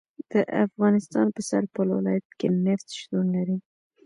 د افغانستان په سرپل ولایت کې نفت شتون لري